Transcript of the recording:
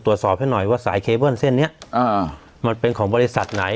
ตรวจสอบให้หน่อยว่าสายเคเบิ้ลเส้นนี้มันเป็นของบริษัทไหน